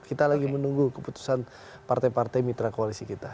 kita lagi menunggu keputusan partai partai mitra koalisi kita